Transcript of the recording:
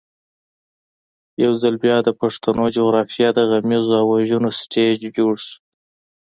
یو ځل بیا د پښتنو جغرافیه د غمیزو او وژنو سټېج جوړ شو.